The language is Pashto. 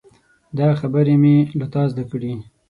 دا خبرې مې له تا زده کړي.